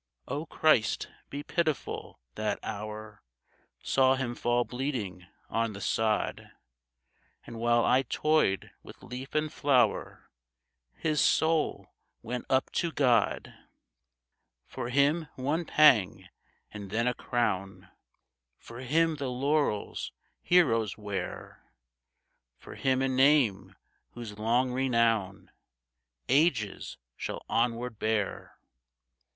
O Christ, be pitiful ! That hour Saw him fall bleeding on the sod ; And while I toyed with leaf and flower His soul went up to God I For him one pang — and then a crown ; For him the laurels heroes wear ; For him a name whose long renown Ages shall onward bear.